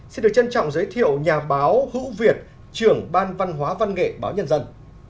xin được trân trọng giới thiệu nhà báo hữu việt trưởng ban văn hóa văn nghệ báo nhân dân